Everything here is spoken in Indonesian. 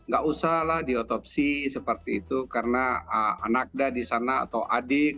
gak usahlah diotopsi seperti itu karena anaknya di sana atau adik